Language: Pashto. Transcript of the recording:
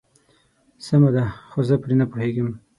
سمه ده خو زه پرې نه پوهيږم.